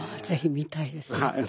ぜひ見たいです。